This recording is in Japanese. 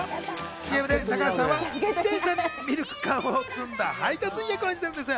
ＣＭで高橋さんは自転車にミルク缶を積んだ配達員役を演じているんです。